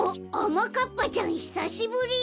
まかっぱちゃんひさしぶり！